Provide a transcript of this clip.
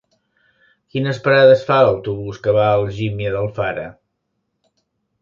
Quines parades fa l'autobús que va a Algímia d'Alfara?